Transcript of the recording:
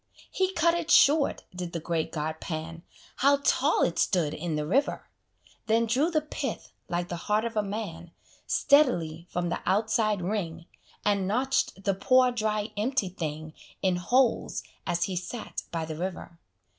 He cut it short, did the great god Pan, (How tall it stood in the river!) Then drew the pith, like the heart of a man, Steadily from the outside ring, And notch'd the poor, dry, empty thing In holes, as he sat by the river.